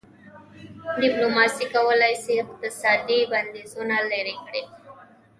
ډيپلوماسي کولای سي اقتصادي بندیزونه لېرې کړي.